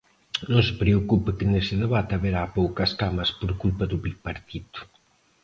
Non se preocupe que nese debate haberá poucas camas por culpa do Bipartito.